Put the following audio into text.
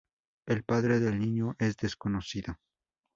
El padre del niño es desconocido.